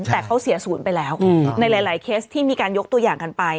แต่เขาเสียศูนย์ไปแล้วในหลายเคสที่มีการยกตัวอย่างกันไป